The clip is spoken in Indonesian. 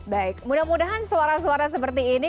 baik mudah mudahan suara suara seperti ini